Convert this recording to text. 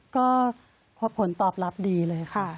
ก็ผลตอบรับดีเลยค่ะ